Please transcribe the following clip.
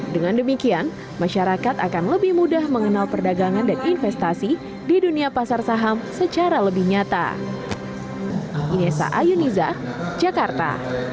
dengan demikian masyarakat akan lebih mudah mengenal perdagangan dan investasi di dunia pasar saham secara lebih nyata